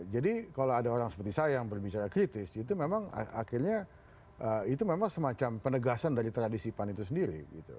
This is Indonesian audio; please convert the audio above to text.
jadi kalau ada orang seperti saya yang berbicara kritis itu memang akhirnya itu memang semacam penegasan dari tradisi pan itu sendiri gitu